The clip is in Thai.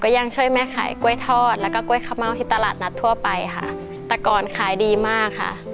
แต่ก่อนขายดีมากค่ะ